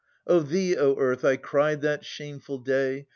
To thee, O Earth, I cried that shameful day.